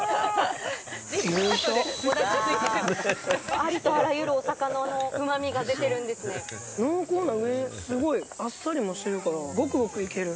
ありとあらゆるお魚のうまみ濃厚なうえに、すごいあっさりもしてるから、ごくごくいける。